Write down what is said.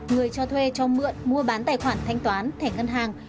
người cho thuê cho mượn mua bán tài khoản thanh toán thẻ ngân hàng